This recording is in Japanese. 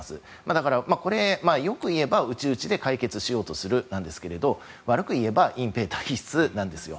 だから、よくいえば内々で解決しようとするなんですけども悪く言えば隠蔽体質なんですよ。